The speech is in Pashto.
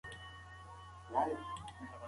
او نور خلک هم هڅوي.